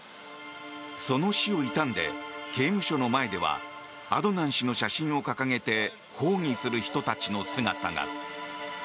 その死を悼んで刑務所の前ではアドナン氏の写真を掲げて抗議する人たちの姿が。